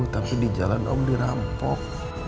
tapi di jalan dong dirampok